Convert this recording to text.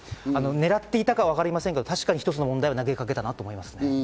狙っていたかはわかりませんけど一つの問題を投げかけたと思います。